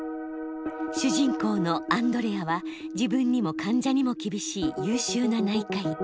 主人公のアンドレアは自分にも患者にも厳しい優秀な内科医。